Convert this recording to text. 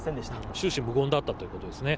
終始無言だったということですね。